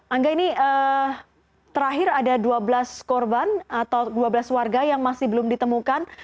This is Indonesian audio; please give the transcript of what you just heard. angga ini terakhir ada dua belas korban atau dua belas warga yang masih belum ditemukan